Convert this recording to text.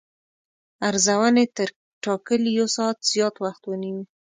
ارزونې تر ټاکلي یو ساعت زیات وخت ونیو.